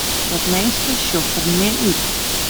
Dat minske sjocht der min út.